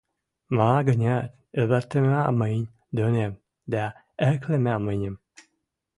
Ма-гӹнят, ӹвӹртемӓ мӹнь донем дӓ ӓклемӓ мӹньӹм!